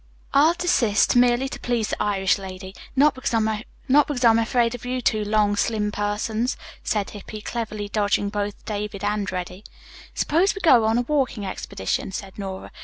"I'll desist, merely to please the Irish lady, not because I'm afraid of you two long, slim persons," said Hippy, cleverly dodging both David and Reddy. "Suppose we go on a walking expedition," said Nora.